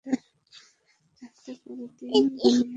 যাতে করে দীন ও দুনিয়ার উভয় নিয়ামতের পূর্ণ অধিকারী হতে পারে।